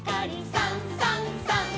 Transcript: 「さんさんさん」